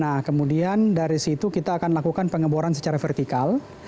nah kemudian dari situ kita akan lakukan pengeboran secara vertikal